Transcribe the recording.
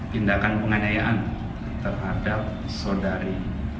tindakan penganyayaan terhadap saudari d